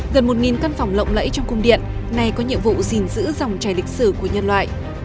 gần một căn phòng lộng lẫy trong cung điện này có nhiệm vụ gìn giữ dòng trải lịch sử của nhân loại